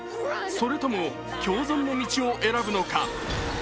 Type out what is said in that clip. それとも共存の道を選ぶのか。